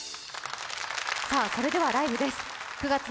それではライブです。